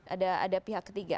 ada pihak ketiga